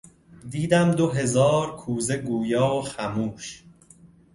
...دیدم دو هزار کوزه گویا و خموش